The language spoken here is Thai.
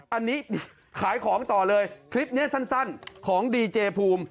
อันนี้ขายของต่อเลยคลิปนี้สั้นของดีเจภูมิ